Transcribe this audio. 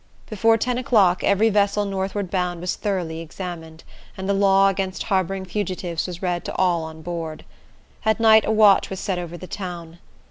Before ten o'clock every vessel northward bound was thoroughly examined, and the law against harboring fugitives was read to all on board. At night a watch was set over the town.